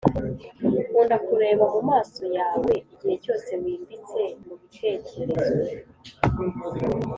nkunda kureba mumaso yawe igihe cyose wimbitse mubitekerezo